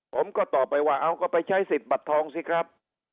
ผมก็ตอบไปว่าเอาก็ไปใช้สิทธิ์บัตรทองสิครับ